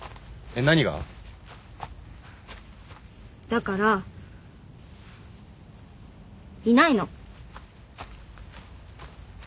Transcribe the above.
だからいないの。